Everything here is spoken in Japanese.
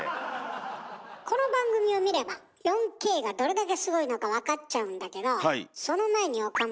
この番組を見れば４Ｋがどれだけすごいのか分かっちゃうんだけどその前に岡村。